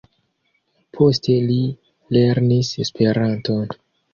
Poste li lernis Esperanton.